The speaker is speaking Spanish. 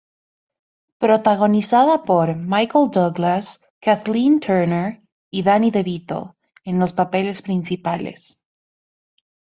Protagonizada por Michael Douglas, Kathleen Turner y Danny DeVito en los papeles principales.